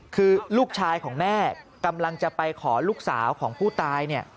คือลูกชายของแม่กำลังจะไปขอลูกสาวของผู้ตายเนี่ย